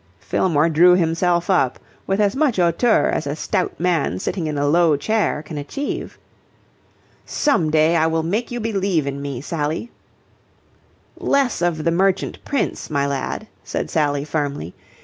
Fillmore drew himself up with as much hauteur as a stout man sitting in a low chair can achieve. "Some day I will make you believe in me, Sally." "Less of the Merchant Prince, my lad," said Sally, firmly.